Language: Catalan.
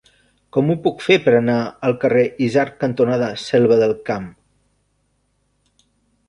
Com ho puc fer per anar al carrer Isard cantonada Selva del Camp?